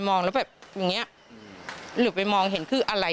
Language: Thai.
มองแล้วแบบอย่างเงี้ยหรือไปมองเห็นคืออะไร